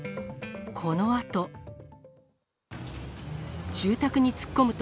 このあと。